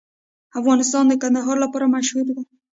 افغانستان د کندهار لپاره مشهور دی.